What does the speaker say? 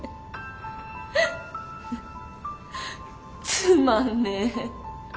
つまんねえ。